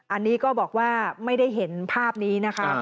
อันนี้ก็บอกว่าไม่ได้เห็นภาพนี้นะคะ